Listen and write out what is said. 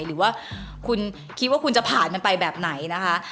หรือว่าคุณคิดว่าคุณจะผ่านมันไปแบบไหนนะคะ